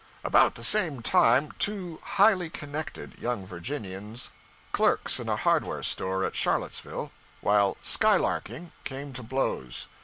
About the same time, two 'highly connected' young Virginians, clerks in a hardware store at Charlottesville, while 'skylarking,' came to blows.